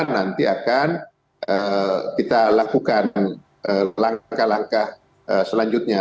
nanti akan kita lakukan langkah langkah selanjutnya